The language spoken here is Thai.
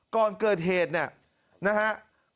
ก่อนเกิดเหตุเนี่ยนะฮะ